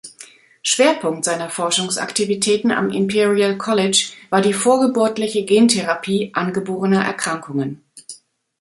Schwerpunkt seiner Forschungsaktivitäten am Imperial College war die vorgeburtliche Gentherapie angeborener Erkrankungen.